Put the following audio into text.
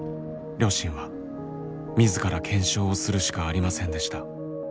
両親は自ら検証をするしかありませんでした。